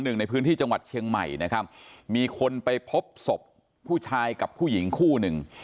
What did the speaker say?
หนึ่งในพื้นที่จังหวัดเชียงใหม่นะครับมีคนไปพบศพผู้ชายกับผู้หญิงคู่หนึ่ง